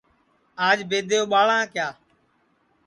آج بئد اُٻاݪاں کیا